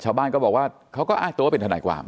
ชาวบ้านก็บอกว่าเขาก็อ้างตัวว่าเป็นทนายความ